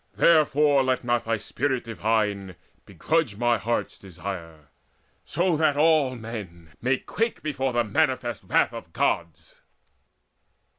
Therefore let not thy spirit divine Begrudge mine heart's desire, that so all men May quake before the manifest wrath of Gods."